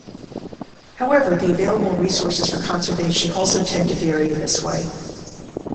However, the available resources for conservation also tend to vary in this way.